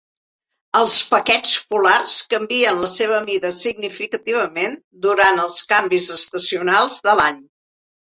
Els paquets polars canvien la seva mida significativament durant els canvis estacionals de l'any.